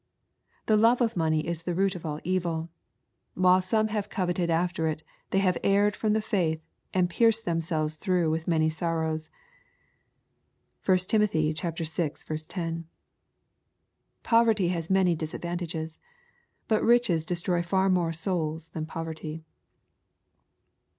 " The love of money is the root of all evil. While some have coveted after it, they have erred tiom the faith and pierced themselves through with many sorrows." (1 Tim. vi. 10.) Poverty has xnany disadvantages. But riches destroy far more souls than poverty.